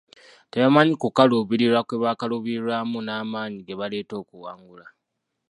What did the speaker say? Tebamanyi kukaluubirirwa kwe bakaluubirirwamu n'amaanyi ge baleeta okuwangula